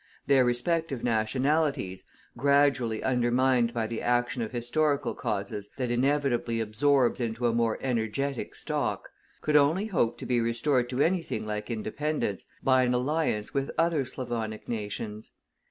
Their respective nationalities, gradually undermined by the action of historical causes that inevitably absorbs into a more energetic stock, could only hope to be restored to anything like independence by an alliance with other Slavonic nations.